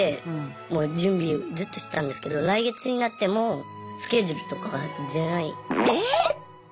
もう準備ずっとしてたんですけど来月になってもスケジュールとかが出ない。